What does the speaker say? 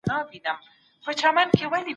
ښکاري ولیده په تور کي زرکه بنده